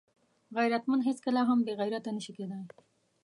غیرتمند هیڅکله هم بېغیرته نه شي کېدای